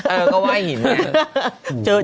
เออก็ไหว้หินไง